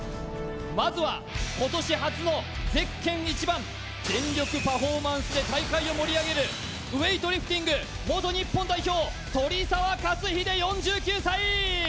まずは今年初のゼッケン１番全力パフォーマンスで大会を盛り上げるウエイトリフティング元日本代表鳥澤克秀４９歳！